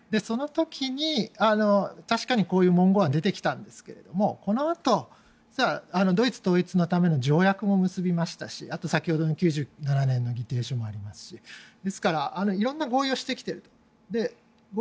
その時に確かにこういう文言は出てきたんですがこのあと、ドイツ統一のための条約も結びましたし先ほどの９７年の議定書もありますしですから、色んな合意はしてきていると。